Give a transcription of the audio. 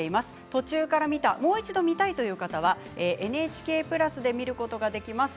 途中から見たもう一度見たいという方はＮＨＫプラスで見ることができます。